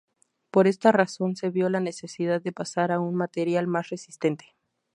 Por esta razón se vio la necesidad de pasar a un material más resistente.